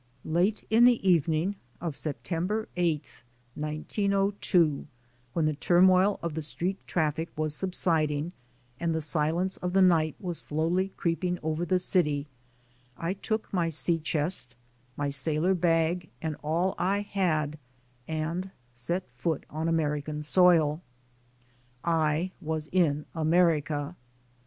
Late in the evening of September 8, 1902, when the turmoil of the street traffic was subsiding, and the silence of the night was slowly creeping over the city, I took my sea chest, my sailor bag and all I had and set foot on American soil. I was in America.